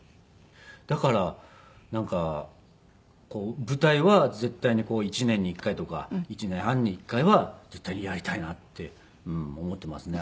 だからなんか舞台は絶対に１年に１回とか１年半に１回は絶対にやりたいなって思っていますね。